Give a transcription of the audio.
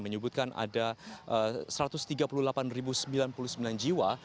menyebutkan ada satu ratus tiga puluh delapan sembilan puluh sembilan jiwa